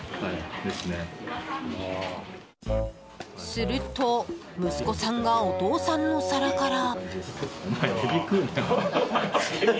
すると、息子さんがお父さんの皿から。